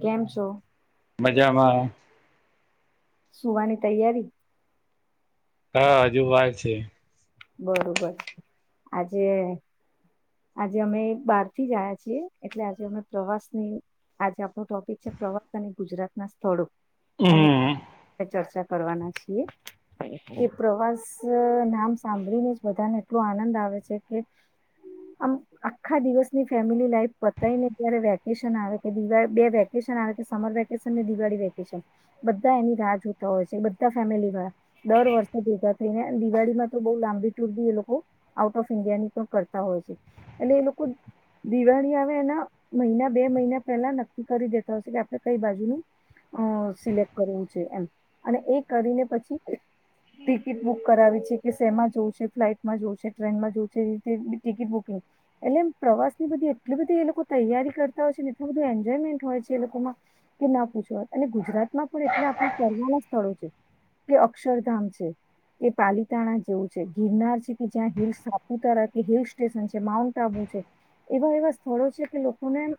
કેમ છો? મજામાં સુવાની તૈયારી? ના હજુ વાર છે. બરોબર આજે આજે અમે બહાર થી જયા છીએ એટલે આજે અમે પ્રવાસની આજે આપણ ટોપિક છે પ્રવાસ અને ગુજરાત ના સ્થળો એની હમ ચર્ચા કરવાના છીએ. એ પ્રવાસ નામ સાંભળીને જ બધાને એટલો આનંદ આવે છે કે આમ આખા દિવસની ફેમિલી લાઈફ પતાયને ત્યારે વેકેશન આવે કે દવા બે વેકેશન સમ વેકેશ ને દિવાળી વેકેશન બધા એની રાહ જોતા હોય છે બધા ફેમિલી દર વર્ષે ભેગા થઈને દિવાળીમાં તો બ લાંબી ટુર બી એ લોકો આઉટ ઓફ ઇન્ડિયા ની પણ કરતા હોય છે એટલે એ લોકો [inaudible] આવે એના મહિના બે મહિના પેલા નક્કી કરી દેતા હશે કે આપણે કઈ બાજુ ન અ સિલેક્ટ કરવું છે એમ અને એ કરીને પછી ટિકિટ બુક કરાવી છે. કે સેમાં જોવ છે ફ્લાઇટમાં જોવ ટ્રેનમાં જોવ એ રીતે ટિકિટ બુકિંગ એટલે એમ પ્રવાસ ની બધી એટલી બધી એ લોકો તૈયારી કરતા હોય છે ને એટલું બધું એન્જોયમેન્ટ હોય છે એ લોકોમાં કે ના પૂછ અને ગુજરાતમાં પણ એટલા આપણા ફવાના સ્થળો છે કે અક્ષરધામ છે કે પાલી તાણા જેવું છે ગિરનાર છે કે જ્યાં હ સાપુતારા કે હિલ સ્ટેશન છે માઉન્ટ આબુ છે. એવા એવા સ્થળો છે કે લોકોને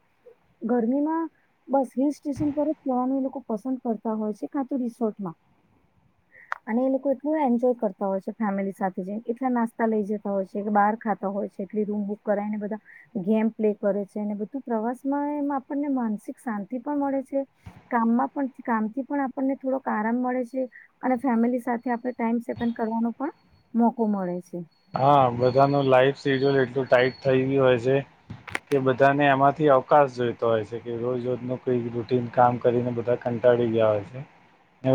ગરમીમાં બસ હિલ સ્ટેશન પર જ જવાનું એ લોકો પસંદ કરતા હોય છે કાતો રિસોર્ટમાં. અને એ લોકો એટલું એન્જોય કરતા હોય છે ફેમિલી સાથે જ એટલા નાસ્તા લઈ જતા હોય છે કે બહાર ખાતા હોય છે એટલી રૂમ બુક કરાયને બધા ગેમ પ્લે કરે છે અનેને બધું પ્રવાસમાં એમાં આપણને માનસિક શાંતિ પણ મળે છે. કામાં પણ કામથી પણ આપને થોડોક આરામ મળે છે અને ફેમિલી સાથે આપ ટાઈમ સે સ્પેન્ડ કરવાનો પણ મોકો મળે છે. હા બધાનું લાઈફ શેડ્યુલ એટલું ટાઈટ થઈ ગયું હોય છે કે બધાને એમાંથી અવકાશ જોઈતો હોય છે કે રોજ રજ ન કોઈ રૂટીન કામ કરીને બધા તાડી ગયા હોય છે.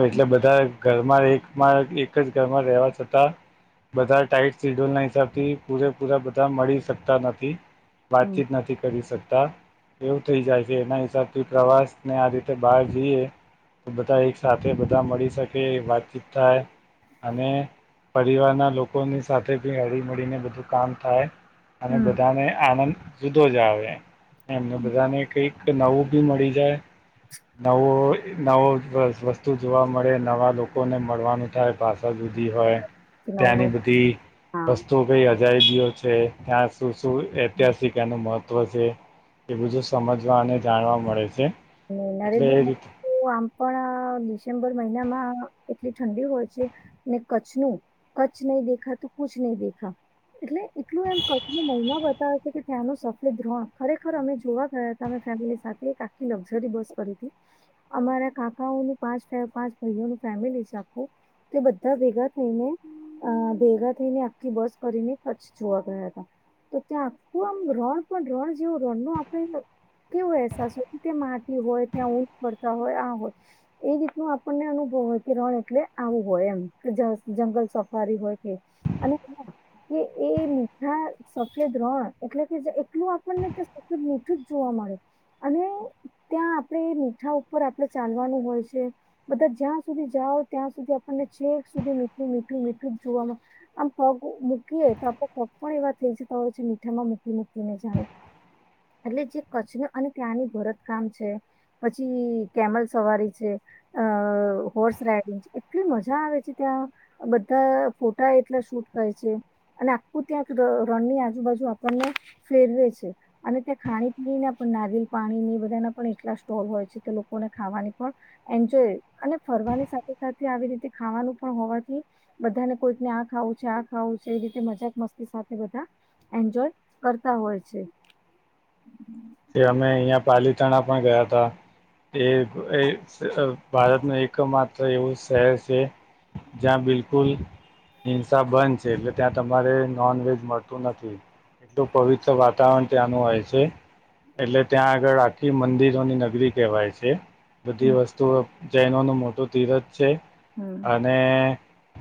એટલે બધા ઘરમાં એક એક જ ઘરમાં રહેવા છતાં બધા ટાઈટ સિડ્યુલ ના હિસાબ થી પૂરેપૂરા બધા મળી શકતા નથી. હમ. વાતચીત નથી કરી શકતા એવું થઈ જાય છે એના હિસાબથી પ્રવાસ ને આ રીતે બહાર જઈએ બધા એક સાથે બધા મળી શકે વાતચીત થાય અને પરિવારના લોકોની સાથે બી હળી મળળીને બધું કામ થાય અને બધાને આનંદ જુદો જ આવે એમને બધાને કઈક નવું ભી મળી જાય નવો નવો વસ્તુ જોવા મળે નવા લોકોને મળવાનું થાય ભાષા જો હોય નવ ત્યાંની નવ બધી હા. વસ્તુઓ કઈ અજાઈ ગીઓ છે ત્યાં સુ શું ઐતિહાસિક એનું મહત્ત્વ છે એ બધું સમજવા અને જાણવા મળે છે. અને એટલે નરેન્દ્ર એ રીતે મોદી આમ પણ સપ્ટેમ્બર મહિનામાં એટલી ઠંડી હોય છે કચ્છનું કચ્છ નહી દેખા તો કુછ નહી દેખા. એટલે એટલું એમ કટ મહિનો બતાવે છે કે ત્યાંનો સફેદ ર્રોણ ખરેખર અમે જોવા ગયા હતા અમે ફ સાથે કાકી લગઝરી બસ કરી અમારા કાકાઓ પાંચ પાંચ ભાઈઓનું ફેમિલી છે આખું તે બધા ભેગા થઈને અ ભેગા થઈને આખી બસ કરીને કચ્છ જોવા ગયા હતા. તો ત્યાં આખું આમ રણ પણ રણ જેવું રણ ન આપડે કેવો અહેસાસ માટી હોય ત્યાં ઊંઘ પડતા હોય આ હોય એ રીતનું આપણને અનુભવ હોય કે રણ એટલે આવું હોય એમ કે જંગલ સફારી હોય કે અને એ સફેદ રણ એટલે કે એટલું આપણને સફેદ નીચું જ જોવા મળે અને ત્યાં આપડે એ મીઠા ઉપર આપડે ચાલવાનું હોય છે બધા જ્યાં સુધી જાઓ ત્યાં સુધી આપને છે એક સુધી મીઠું મીઠું મીઠું જોવામાં આમ પગ મૂકીએ તો આપો પગ પણ એવા હોય મીઠામાં મૂકી મૂકીને જાણે એટલે જે કચ્છ ન અને ત્યાંની ભરત કામ છે પછી કેમલ સવારી છે અ હોર્સ રાઈડિંગ છે એટલે મજા આવે છે ત્યાં બધા ફોટા એટલા શૂટ કરાય છે અને આખું ત્યાં રણની આજુબાજુ આપણને ફેરવે છે અને ત્યાં ખાણી પીણી ને નારિયલ પાણી ની એટલા સ્ટોલ હોય છે તે લોકોને ખાવાની પણ એન્જોય અને ફરવાની સાથે સાથે આવી ખાવાનું પણ હોવાથી બધાને કોઈને આ ખાવું છે આ ખાવું છે એ રીતે મજાક મસ્તી સાથે એન્જોય કરતા હોય છે તે અમે અહિયાં પાલીતાણા પણ ગયાતા એ ભારતનું એક માત્ર એવું શહેર છે જયા બિલકુલ હિંસા બંધ છે એટલે ત્યાં તમારે નોનવેજ મળતું નથી એટલું પવિત્ર વાતાવરણ ત્યાંનું હોય છે એટલે ત્યાં આગળ આખી મંદિરોની નગરી કહેવાય છે બધી હમ વસ્તુ જૈનોનું મોટું ધીરજ છે હમ અને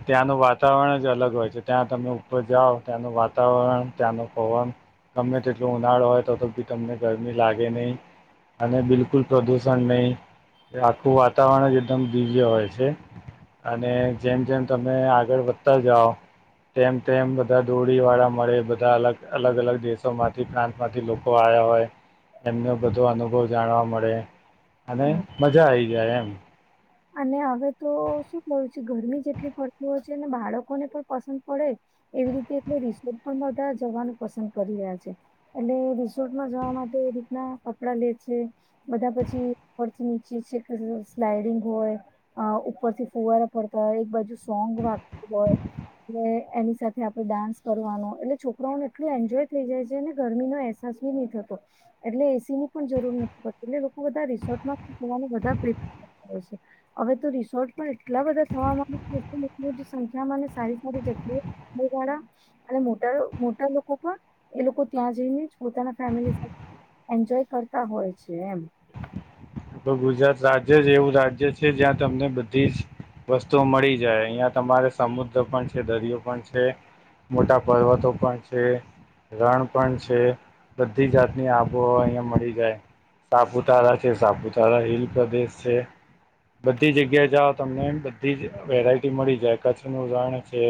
ત્યાંનું વાતાવરણ જ અલગ હોય છે ત્યાં તમે ઉપર જાઓ ત્યાંનું વાતાવરણ ત્યાંનું પવન તમને જેટલો ઉનાળો હોય તો તો બી તમને ગરમી લાગે નહી અને બિલકુલ પ્રદુષણ નહી આખું વાતાવરણ જ એકદમ દિવ્ય હોય છે અને જેમ જેમ તમે આગળ વધતા જાઓ તેમ તેમ બધા દોડી વાળા મળે બધા અલગ અલગ અલગ દેશો માંથી પ્રાંત માંથી લોકો આવ્યા હોય એમનો બધો અનુભવ જાણવા મળે અને હમ. મજા આઈ જાય એમ અને હવે તો શું થયું છે ગરમી જેટલી પડતી હોય છે ને બાળકોને પણ પસંદ પડે એવી રીતે એ રિસોર્ટ પણ બધા જવાનું પસંદ કરી રહ્યા છે એટલે રિસોર્ટમાં જવા માટે તો રીતના કપડા લે છે બધા પછી ઉપરથી નીચે છે સ્લાઈડિંગ હોય ઉપરથી ફુવારા પડતા હોય એક બાજુ સોંગ વાગતું હોય એ એની સાથે આપડે ડાન્સ કરવાનો એટલે છોકરાઓને એટલું એન્જોય થઈ જાય છે ને ગરમીનો અહેસાસ નહી થતો એટલે એસીની પણ જરૂર નથી પડતી એટલે બધા રિસર્ટમાં બધા હોય છે હવે તો રિસોર્ટ પણ એટલા બધા થવા માંડયા છે એટલી મોટી સંખ્યામાં સારી સારી જગ્યા અને મોટા મોટા લોકો પણ એ લોકો ત્યાં જઈને જ પોતાના ફેમલી સાથે એન્જોય કરતા હોય છે એમ તો ગુજરાત રાજ્ય જ એવું રાજ્ય છે જ્યાં તમને બધી જ વસ્તુ મળી જાય અહિયાં તમારે સમુદ્ર પણ છે દરિયો પણ છે મોટા પર્વતો પણ છે રણ પણ છે બધી જાતની આબોહ અહિયાં મળી જાય સાપુતારા છે સાપુતારા હિલ પ્રદેશ છે બધી જગ્યા જાઓ તમને બધી જ વેરાયટી મળી જાય કચ્છનું રણ છે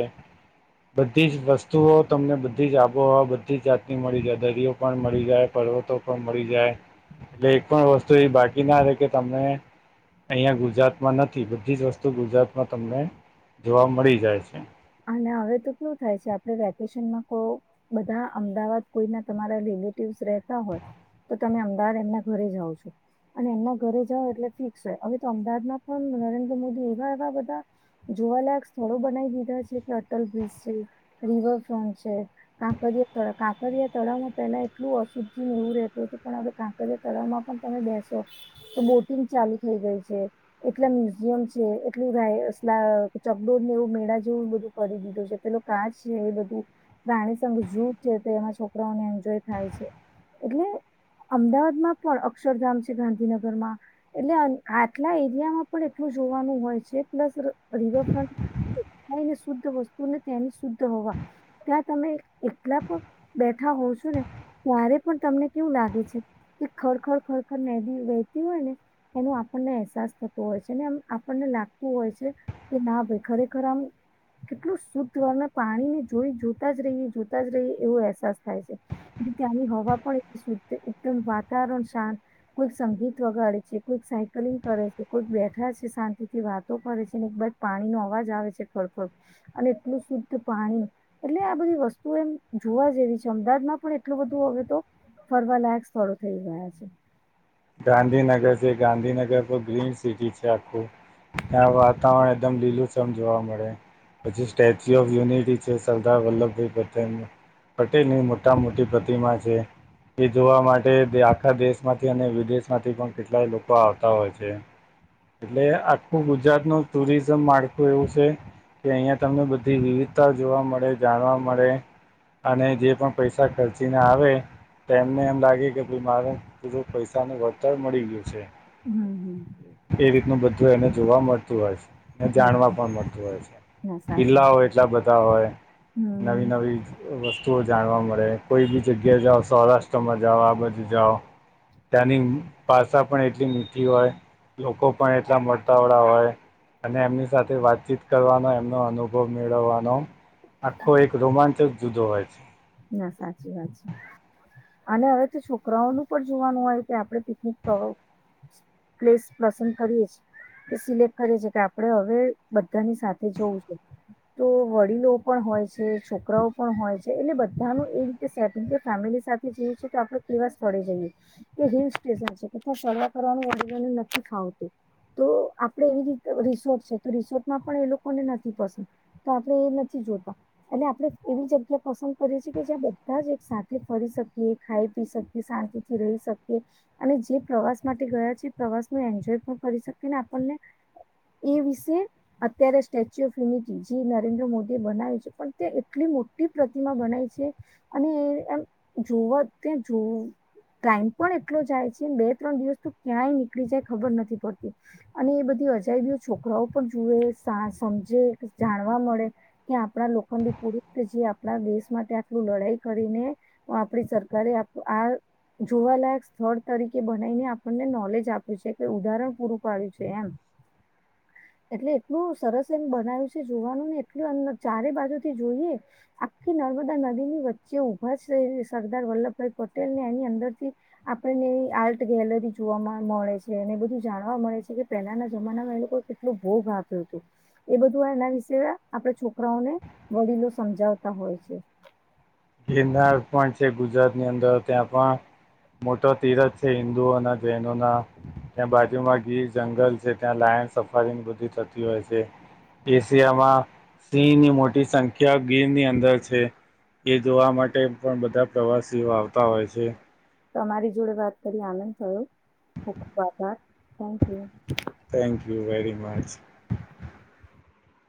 બધી જ વસ્તુઓ તમને બધી જ આબોહવા બધી જાતની મળી જાય દરિયો પણ મળી જાય પર્વતો પણ મળી જાય એટલે એક પણ વસ્તુ એ બાકીના રહે કે તમને અહીયા ગુજરાતમાં નથી બધી જ વસ્તુ ગુજરાતમાં તમને જોવા મળી જાય છે અને હવે તો કેવુ થાય છે આપે વેકેશનમાં તો બધા અમદાવાદ કોઈના તમારા રિલેટિવસ રહેતા હોય તો તમે અમદાવાદ એમના ઘરે જાઓ છો અને એમના ઘરે જઓ એટલે ફિક્સ હોય હવે તો અમદાવાદમાં પણ નરેન્દ્ર મોદી એવા એવા બધા જોવાલાક સ્તડો બનાવી દીધા છે અટલ બ્રિજ છે રિવરફ્રન્ટ છે કાંકરિયા તળામાં પેલા એટલું અશુદ્ધિ એવું રહેતું હતું પણ હવે કાંકરિયા તળાવમાં પણ તમે બેસો તો બોટિંગ ચાલુ એટલા મ્યુઝિયમ છે એટલું ચકડોરને એવું મેળા જેવું કરી દીધો છે પેલું કાચ છે એ બધું પ્રાણીસંગ જૂથ છે તે એમાં છોકરાઓને એન્જોય થાય છે એટલે અમદાવાદમાં પણ અક્ષરધામ છે ગાંધીનગરમાં એટલે આટલા એરિયામાં પણ એટલું જોવાનું હોય છે પ્લસ રી રિવરફ્રન્ટ દેખાયે ને શુ શુદ્ધ વસ્તુ ને તેની શુદ્ધ હવા ત્યાં તમે એકલા પણ બેઠા હોવ છો ને ત્યારે પણ તમને કેવું લાગે છે કે ખર ખર ખરખર નેદી વહેતી હોય ને એનો આપણને અહેસાસ થતો હોય છે ને એમ આપણને લાગતું હોય છે કે ના ભાઈ ખરેખર આમ કેટલું શુદ્ધ પાણીને જોઈ જોતા જ રહીએ જોતા જ રહીએ એવો અહેસાસ થાય છે ત્યાંની હવા પણ એ શુદ્ધ એકદમ વાતાવરણ શાંત કોઈક સંગીત વગાડે છે કોઈ સાયકલિંગ કરે છે કોઈ બેઠા છે શાંતિ થી વાતો કરે છે ને એક બાજુ પાણી નો અવાજ આવે છે ખડ ખડ અને એટલું શુદ્ધ પાણી એટલે આ બધી વસ્તુઓ એમ જોવા જેવી છે અમદાવાદમાં પણ એટલું બધું હવે તો ફરવાલાયક સ્થળો થઈ ગયા છે ગાંધીનગર છે ગાંધીનગર તો ગ્રીનસિટી છે આખું ત્યાં વાતાવરણ એકદમ લીલું છમ જોવા મળે પછી સ્ટેચ્યુ ઓફ યુનિટી છે સરદાર વલ્લભભાઈ પટેલ પટેલની મોટા મોટી પ્રતિમા છે એ જોવા માટે આખા દેશ માંથી અને વિદેશ માંથી પણ કેટલાય લોકો આવતા હોય છે એટલે આખું ગુજરાતનું ટુરિઝમ માળખું એવું છે કે અહિયાં તમને બધી વિવિધતા જોવા મળે જાણવા મળે અને જે પણ પૈસા ખર્ચીને આવે તેમ એને એમ લાગે કે ભઈ મરે પણ પૈસા વળતર મળી ગયું છે હમ હમ એ રીતનું બધું એને જોવા મળતું હોય છે ને હમ જાણવા પણ મળતું હોય છે ના સાચી કિલ્લાઓ હોય એટલા બધા હોય નવી હમ નવી વસ્તુ જાણવા મળે કોઈબી જગ્યા જાઓ સૌરાષ્ટ્રમાં જાઓ આ બાજુ જાઓ ત્યાંની ભાષા પણ એટલી મીઠી હોય લોકો પણ એટલા મળતાવળા હોય અને એમની સાથે વાતચીત કરવાનો એમનો અનુભવ મેળવવાનો આખો એક રોમાંચક જુદો હોય છે ના સાચી વાત છે અને હવે તો છોકરાઓનું પણ જોવાનું હોય કે આપડે પિકનિક ક પ્લેસ પસંદ કરીએ છે તે સિલેક્ટ કરી છે કે આપડણે હવે બધાની સાથે જોવું છે તો વડીલો પણ હોય છે છોકરાઓ પણ હોય છે એટલે બધા ધનું એ રીતે સેટ ફેમિલી સાથે જઈએ છે તો આપડ કેવા સ્થળે જઈએ કે હિલ સ્ટેશન છે એ સર્વ કરવાનુ વડીલો ને નથી ફાવતું તો આપડે એવી રીતે રિસોર્ટ છે તો રિસોર્ટમાં પણ એ લોકોને નથી પસંદ તો આપડે એ નથી જો એટલે આપણે એવી જગ્યા પસંદ કરીએ છી કે જ્યાં બધા જ એક સાથે ફરી શકીએ ખાઈ પી શકીએ શાંતિથી રહી શકીએ અને જે પ્રવાસ માટે ગયા છે પ્રવાસ નો એન્જોય પણ કરી શકે ને આપણને એ વિશે અત્યારે સ્ટેચ્યુ ઓફ યુનિટી જે નરેન્દ્ર મોદી બનાવીયું છે પણ તે એટલી મોટી પ્રતિમા બનાય છે અને એમ જોવા તે જોવું ટાઈમ પણ એટલો જાય છે બે ત્રણ દિવસ તો ક્યાંય નીકળી જાય ખબર નથી પડતી અને એ બધી અજાય બી છોકરાઓ પણ જોએ સાસ સમજે જાણવા મળે કે આપણા લોકખંડિત પૂરુષ જે આપણા દેશ માટે આલું લડાઈ કરીને આપણી સરકારે આ જોવાલાયક સ્થળ તરીકે બનાવીને આપણને નોલેજ આપ્યું છેકે ઉદાહરણ પૂરું પાડ્યું છે એમ એટલે એટલું સરસ એમ બનાવ્યું છે જોવાનું ને એટલું અંદર ચારે બાજુથી જોઈએ આ કી નર્મદા નદી ની વચ્ચે ઊભા સરદાર વલ્લભભાઈ પટેલ ને એની અંદર થી આપણે આર્ટ ગેલરી જોવા મળે છે અને બધું જાણવા મળે છે કે પેલાના જમાનામાં એ લોકો કેટલું બો ભાગ્યું તુ એ બધું એના વિશે આપે છોકરાઓને વડીલો સમજાવ તા હોય છે ગિરનાર પણ છે ગુજરાત ની અંદર ત્યાં પણ મોટો તીરથ છે હિન્દુઓના જૈનો ના ત્યાં બાજુમાં ગીર જંગલ છે ત્યાં લાય સફરી ને બધી થતી હોય છે એશિયામાં સિંહ ની મોટી સંખ્યા ગીરની અંદર છે એ જોવા માટે પણ બધા પ્રવાસીઓ આવતા હોય છે તમારી જોડે વાત કરી આનંદ થયો ખુબ ખુબ આભાર thank you thank you very much